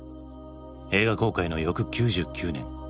映画公開の翌９９年。